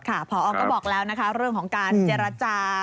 ผอก็บอกแล้วนะคะเรื่องของการเจรจา